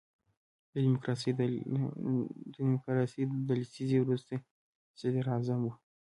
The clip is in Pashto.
د ډیموکراسۍ د لسیزې وروستی صدر اعظم وو.